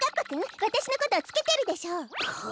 わたしのことをつけてるでしょ！